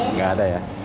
nggak ada ya